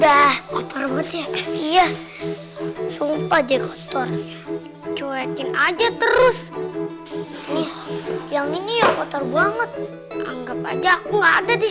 dah kotor iya sumpah jekotor cuekin aja terus yang ini yang kotor banget anggap aja aku nggak ada di